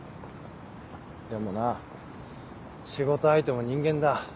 でもな仕事相手も人間だ。